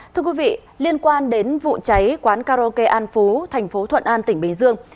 thưa quý vị liên quan đến vụ cháy quán karaoke an phú thành phố thuận an tỉnh bình dương